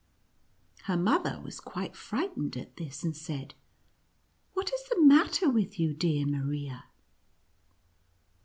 Her mother was quite frightened at this, and said, " What is the matter with you, dear Maria